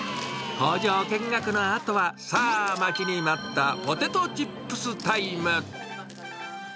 工場見学のあとは、さあ、待ちに待ったポテトチップスタイム。